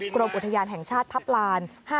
กรมอุทยานแห่งชาติทัพลาน